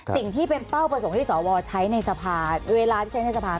สิ่งที่เป็นเป้าประสงค์ที่สวใช้ในสภาเวลาที่ใช้ในสภา